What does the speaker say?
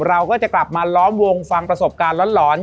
เราก็จะกลับมาล้อมวงฟังประสบการณ์หลอน